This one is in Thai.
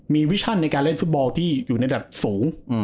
มีวิชั่นในการเล่นฟุตบอลที่อยู่ในระดับสูง